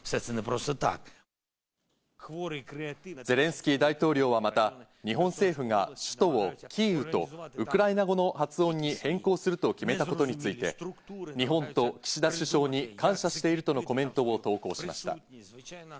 ゼレンスキー大統領はまた日本政府が首都をキーウとウクライナ語の発音に変更すると決めたことについて、日本と岸田首相に感謝しているとのコメントを投稿しました。